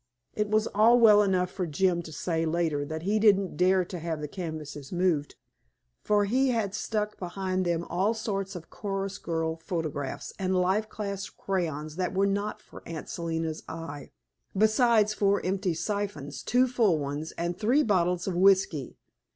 It was all well enough for Jim to say later that he didn't dare to have the canvases moved, for he had stuck behind them all sorts of chorus girl photographs and life class crayons that were not for Aunt Selina's eye, besides four empty siphons, two full ones, and three bottles of whisky.